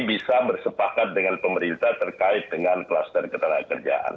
bisa bersepakat dengan pemerintah terkait dengan kluster ketenangan kerjaan